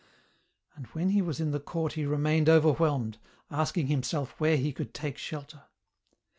And when he was in the court he remained overwhelmed, asking himself where he could take shelter.